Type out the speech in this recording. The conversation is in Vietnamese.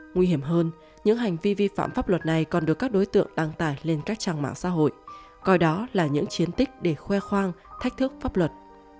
nguy hiểm hơn những hành vi vi phạm pháp luật này còn được các đối tượng đăng tải lên các trang mạng xã hội coi đó là những chiến tích để khoe khoang thách thức pháp luật